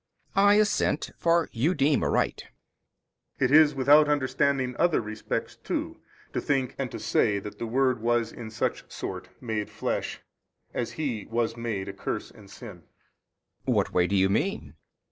B. I assent, for you deem aright. |245 A. It is without understanding another respects too to think and to say that the Word was in such sort MADE flesh as He WAS MADE a curse and sin. B. What way do you mean?